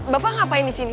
bapak ngapain disini